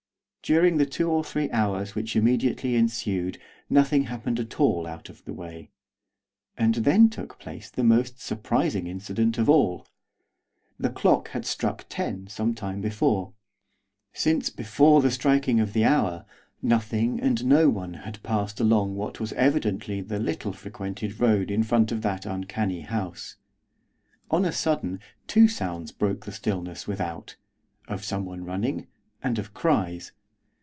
During the two or three hours which immediately ensued nothing happened at all out of the way, and then took place the most surprising incident of all. The clock had struck ten some time before. Since before the striking of the hour nothing and no one had passed along what was evidently the little frequented road in front of that uncanny house. On a sudden two sounds broke the stillness without, of someone running, and of cries.